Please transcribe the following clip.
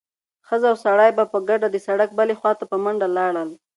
ښځه او سړی په ګډه د سړک بلې خوا ته په منډه لاړل.